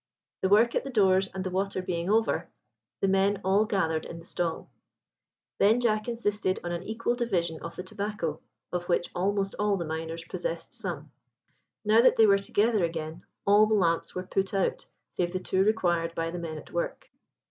The work at the doors and the water being over, the men all gathered in the stall. Then Jack insisted on an equal division of the tobacco, of which almost all the miners possessed some. Now that they were together again, all the lamps were put out save the two required by the men at work.